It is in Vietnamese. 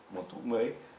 một thuốc mới